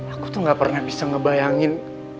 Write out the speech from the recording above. aku tuh gak pernah bisa ngebayangin